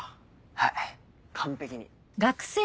はい完璧に。